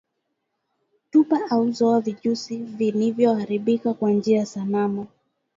Tupa au zoa vijusi vilivyoharibika kwa njia salama